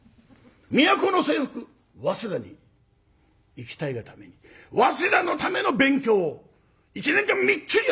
都の西北早稲田に行きたいがために早稲田のための勉強を１年間みっちりやったんです。